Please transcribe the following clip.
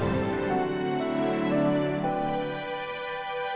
aku akan berusaha lebih keras